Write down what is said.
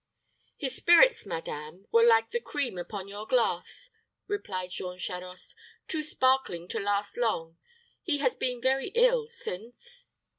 "His spirits, madame, were like the cream upon your glass," replied Jean Charost; "too sparkling to last long. He has been very ill since."